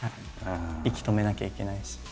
息止めなきゃいけないし。